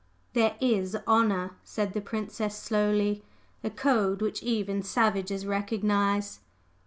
"There is honor!" said the Princess, slowly; "A code which even savages recognize."